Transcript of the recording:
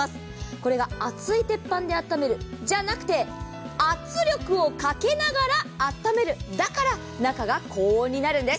これが熱い鉄板で温めるんじゃなくて圧力をかけながらあっためる、だから中が高温になるんです。